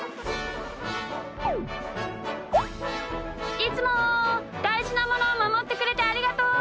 いつもだいじなものをまもってくれてありがとう！